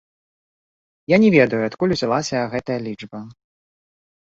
Я не ведаю, адкуль узялася гэтая лічба.